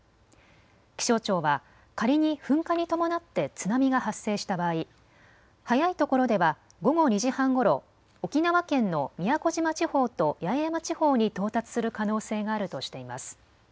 気象庁は仮に噴火に伴って津波が発生した場合、早いところでは午後２時半ごろ、沖縄県の宮古島地方と八重山地方に到達する可能性があるとしています。